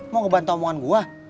mau ngebantu omongan gue